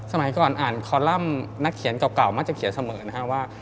สมัยก่อนอ่านคอลัมป์นักเขียนเก่ามักจะเขียนเสมอนะฮะว่า